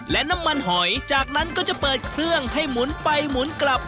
และน้ำมันหอยจากนั้นก็จะเปิดเครื่องให้หมุนไปหมุนกลับ